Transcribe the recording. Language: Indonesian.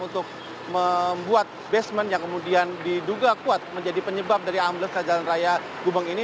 untuk membuat basement yang kemudian diduga kuat menjadi penyebab dari amblesnya jalan raya gubeng ini